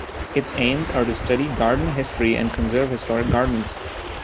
Its aims are to study garden history and conserve historic gardens.